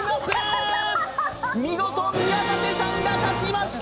見事、宮舘さんが勝ちました！